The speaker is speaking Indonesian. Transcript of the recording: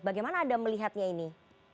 bagaimana anda melihatnya ini